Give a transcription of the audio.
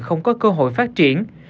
không có cơ hội phát triển